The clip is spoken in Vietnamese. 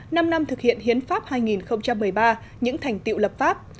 năm năm thực hiện hiến pháp hai nghìn một mươi ba những thành tiệu lập pháp